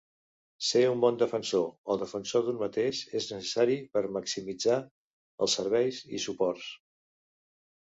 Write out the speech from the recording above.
Ser un bon defensor o defensor d'un mateix és necessari per maximitzar els serveis i suports.